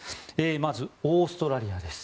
まず、オーストラリアです。